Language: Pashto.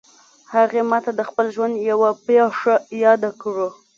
هغې ما ته د خپل ژوند یوه پېښه یاده کړه